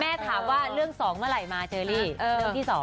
แม่ถามว่าเรื่อง๒เมื่อไหร่มาเจอลี่